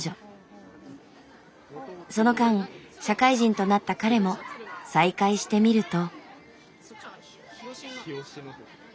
その間社会人となった彼も再会してみると。